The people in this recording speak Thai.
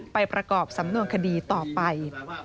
ประกอบสำนวนคดีต่อไป